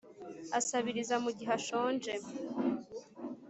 asabiriza mu gihe ashonje.